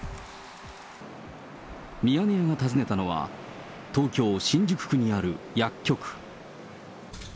ミヤネ屋が訪ねたのは、東京・新宿区にある薬局。